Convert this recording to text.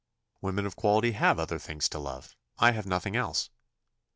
"Women of quality have other things to love I have nothing else."